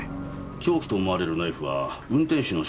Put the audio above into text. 凶器と思われるナイフは運転手の所持品でした。